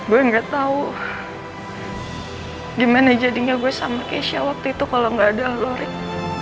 gue nggak tau gimana jadinya gue sama keisha waktu itu kalo nggak ada lo rik